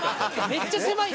めっちゃ狭い！